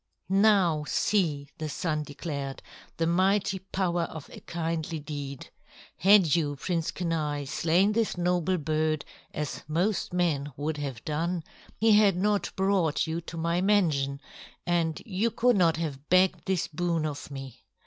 "Now see," the Sun declared, "the mighty power of a kindly deed. Had you, Prince Kenai, slain this noble bird, as most men would have done, he had not brought you to my mansion, and you could not have begged this boon of me.